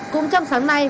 cũng trong sáng nay